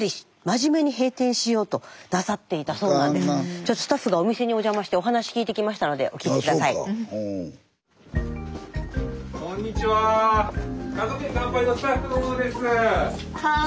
ちょっとスタッフがお店にお邪魔してお話聞いてきましたのでお聞き下さい。